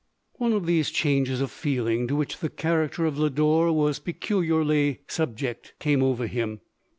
One of those changes of feeling to which the character of Lodore was peculiarly subject, came over him.